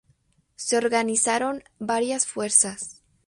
Se organizaron varias fuerzas.